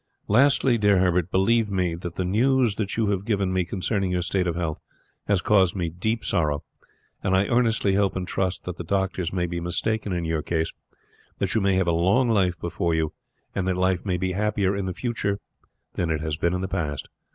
Lastly, dear Herbert, believe me that the news that you have given me concerning your state of health has caused me deep sorrow, and I earnestly hope and trust that the doctors may be mistaken in your case, that you may have a long life before you, and that life may be happier in the future than it has been in the past.